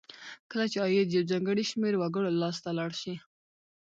کله چې عاید یو ځانګړي شمیر وګړو لاس ته لاړ شي.